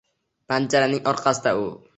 Panjaraning orqasidan u